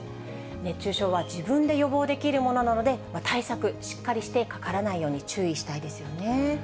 熱中症は自分で予防できるものなので、対策、しっかりしてかからないように注意したいですよね。